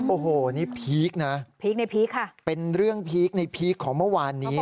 โอ้โหนี้พีคนะเป็นเรื่องพีคของเมื่อวานนี้